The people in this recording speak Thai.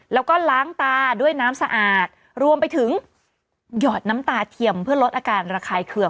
แล้วก็ล้างตาด้วยน้ำสะอาดรวมไปถึงหยอดน้ำตาเทียมเพื่อลดอาการระคายเคือง